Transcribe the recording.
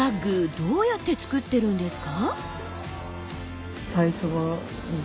どうやって作ってるんですか？